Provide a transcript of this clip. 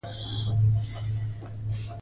ترکي شرکت په کار کې مرسته کوي.